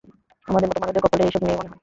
আমাদের মতো মানুষদের কপালে এসব নেই মনে হয়।